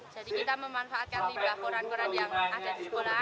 jadi kita memanfaatkan riba koran koran yang ada di sekolah